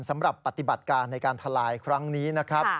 สำหรับปฏิบัติการในการทลายครั้งนี้นะครับ